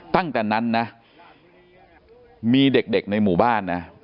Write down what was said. ตั้งแต่นั้นนะมีเด็กในหมู่บ้านนะ